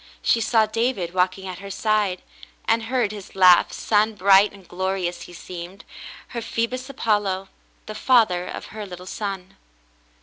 She saw David walking at her side, and heard his laugh, sun bright and glorious he seemed, her Phoebus Apollo — the father of her little son.